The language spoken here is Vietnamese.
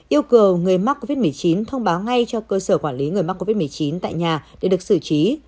yêu cầu người mắc covid một mươi chín thông báo ngay cho cơ sở quản lý người mắc covid một mươi chín tại nhà để được xử trí